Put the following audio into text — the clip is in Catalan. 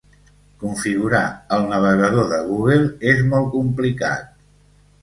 Configurar el navegador de Google és molt complicat.